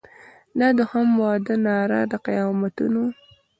د دوهم واده ناره د قیامتونو